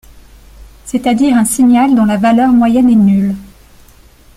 C’est-à-dire un signal dont la valeur moyenne est nulle.